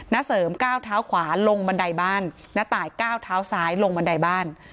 ณเสริมก้าวเท้าขวาลงบันไดบ้านณตายก้าวเท้าซ้ายลงบันไดบ้าน